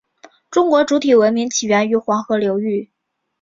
中国主体文明起源于黄河流域。